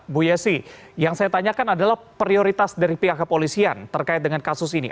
bu yesi yang saya tanyakan adalah prioritas dari pihak kepolisian terkait dengan kasus ini